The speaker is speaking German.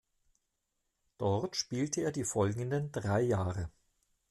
Dort spielte er die folgenden drei Jahre.